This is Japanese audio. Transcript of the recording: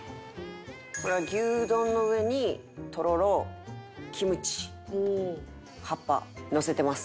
これは牛丼の上にとろろキムチ葉っぱのせてます。